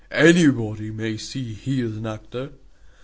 Anybody may see he is an actor."